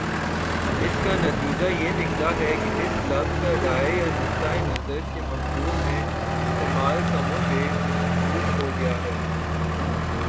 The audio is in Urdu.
اس کا نتیجہ یہ نکلا ہے کہ اس لفظ کا رائے یا نقطۂ نظر کے مفہوم میں استعمال کم و بیش متروک ہو گیا ہے